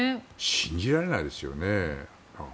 信じられないですよね。